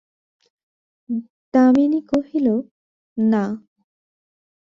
দামিনী কহিল, না।